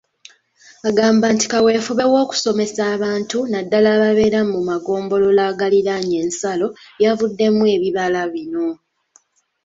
Agamba nti kaweefube w'okusomesa abantu naddala ababeera mu magombolola agaliranye ensalo yaavuddemu ebibala bino.